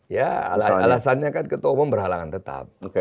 ya alasannya kan ketua umum berhalangan tetap